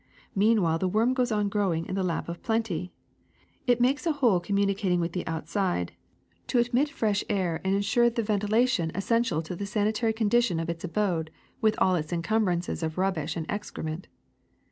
"Meanwhile the worm goes on growing in the lap of plenty. It makes a hole communicating with the outside, to admit fresh air and insure the ventilation Apple Worm a, moth; 6. larva; c, eg£ LITTLE PESTS ^23 essential to the sanitary condition of its abode with all its encumbrance of rubbish and excrement.